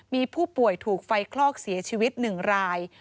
มีผู้ป่วยถูกไฟคลอกเสียชีวิต๑ราย